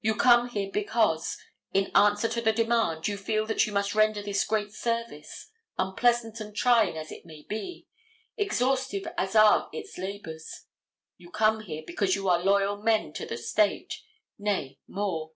You come here because, in answer to the demand, you feel that you must render this great service, unpleasant and trying as it may be, exhaustive as are its labors; you come here because you are loyal men to the State. Nay, more.